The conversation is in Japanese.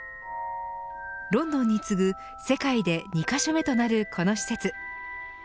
ロンドンに次ぐ世界で２カ所目となるこの施設。